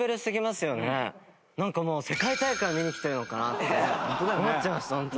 なんかもう世界大会を見に来てるのかなって思っちゃいましたホントに。